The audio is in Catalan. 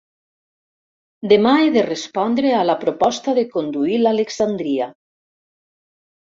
Demà he de respondre a la proposta de conduir l'”Alexandria”!